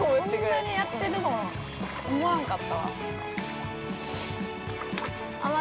◆こんなにやってると思わんかったわ。